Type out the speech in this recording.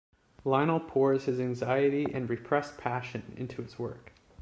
Lionel pours his anxiety and repressed passion into his work.